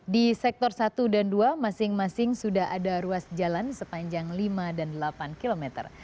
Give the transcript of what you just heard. di sektor satu dan dua masing masing sudah ada ruas jalan sepanjang lima dan delapan km